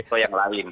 atau yang lain